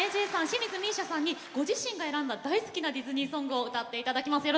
清水美依紗さんにご自身が選んだ大好きなディズニーソングをそれぞれ歌っていただきます。